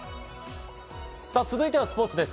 続いてはスポーツです。